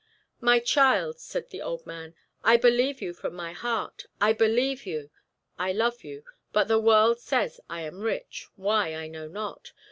"My child," said the old man, "I believe you from my heart I believe you. I love you, but the world says I am rich why, I know not.